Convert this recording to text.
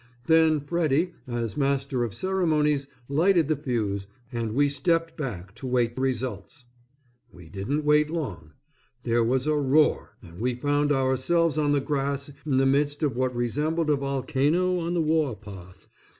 Then Freddy as master of ceremonies lighted the fuse and we stepped back to wait results. We didn't wait long. There was a roar and we found ourselves on the grass in the midst of what resembled a volcano on the war path.